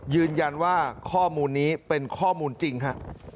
ยืนยันว่าข้อมูลนี้เป็นข้อมูลจริงฮะ